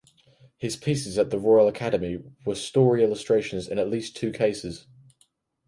His pieces at the Royal Academy were story illustrations in at least two cases.